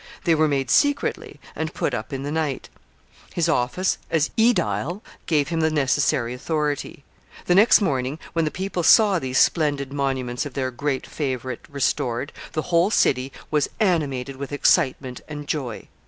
They were made secretly, and put up in the night. His office as aedile gave him the necessary authority. The next morning, when the people saw these splendid monuments of their great favorite restored, the whole city was animated with excitement and joy.